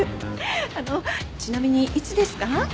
あのちなみにいつですか？